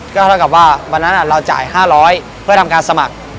ก็เท่ากับว่าวันนั้นเราจ่าย๕๐๐เพื่อทำการสมัคร